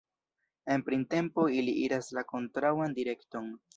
En printempo ili iras la kontraŭan direkton.